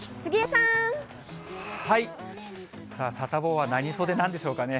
さあ、サタボーは何袖なんでしょうかね。